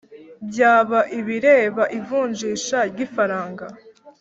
Byaba ibireba ivunjisha ry’ ifaranga